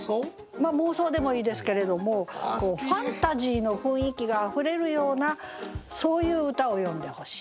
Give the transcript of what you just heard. まあ妄想でもいいですけれどもファンタジーの雰囲気があふれるようなそういう歌を詠んでほしい。